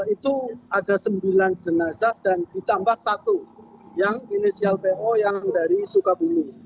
itu ada sembilan jenazah dan ditambah satu yang inisial po yang dari sukabumi